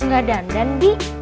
gak dandan bi